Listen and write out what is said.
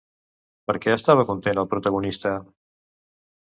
Per què estava content el protagonista?